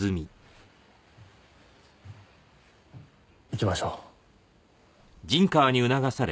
行きましょう。